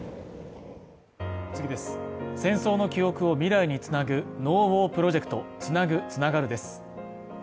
戦争の記憶を未来につなぐ「ＮＯＷＡＲプロジェクトつなぐ、つながる」です